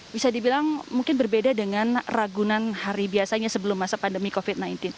bisa dibilang mungkin berbeda dengan ragunan hari biasanya sebelum masa pandemi covid sembilan belas